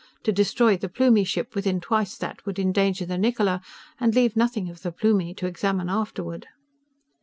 To destroy the Plumie ship within twice that would endanger the Niccola and leave nothing of the Plumie to examine afterward.